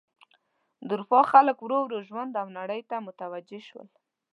د اروپا خلک ورو ورو ژوند او نړۍ ته متوجه شول.